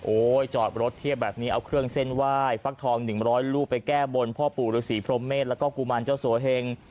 โอ้ยจอดรถเทียบแบบนี้เอาเครื่องเส้นไหว้ฟักทองหนึ่งร้อยลูกไปแก้บนพ่อปู่รุศรีพรมเมฆแล้วก็กุมารเจ้าโสเฮง